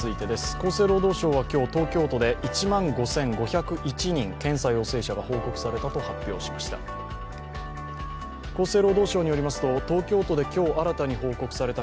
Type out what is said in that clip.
厚生労働省は今日、東京都で１万５５０１人の検査陽性者が発表されたと報告しました。